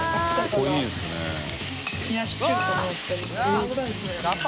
ここいいですね佐藤）